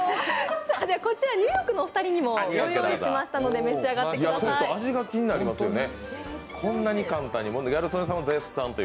こちらニューヨークのお二人にも用意しましたのでお召し上がりください。